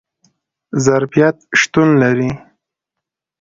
ظرفیت شتون لري